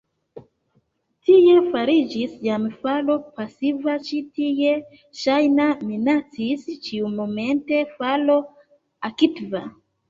Tie fariĝis jam falo pasiva, ĉi tie ŝajne minacis ĉiumomente falo aktiva.